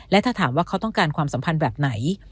และถ้าถามว่าเขาต้องการความสัมพันธ์แบบไหน